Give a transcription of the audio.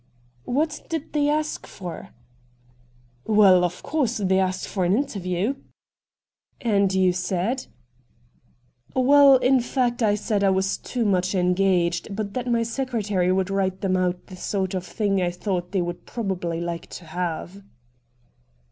' What did they ask for ?' 'Well, of course, they asked for an inter view.' 224 RED DIAMONDS ' And you said ?' 'Well, in fact, I said I was too much engaged — but that my secretary would write them out the sort of thing I thought they would probably like to have.'